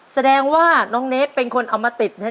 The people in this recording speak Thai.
แสดงว่าน้องเนธเป็นคนอมติดแน่